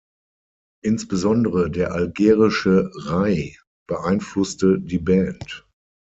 Insbesondere der algerische Raï beeinflusste die Band.